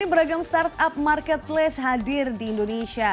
beragam startup marketplace hadir di indonesia